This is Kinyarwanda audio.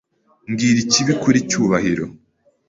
Mbwira ikibi kuri Cyubahiro.